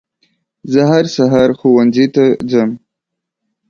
زه هر سهار ښوونځي ته ځم.